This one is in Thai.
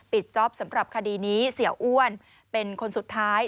จ๊อปสำหรับคดีนี้เสียอ้วนเป็นคนสุดท้าย